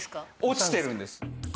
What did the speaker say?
落ちてるんです。